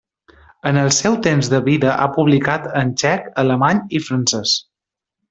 En el seu temps de vida, ha publicat en txec, alemany i francès.